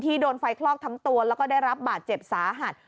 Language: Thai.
โดนไฟคลอกทั้งตัวแล้วก็ได้รับบาดเจ็บสาหัส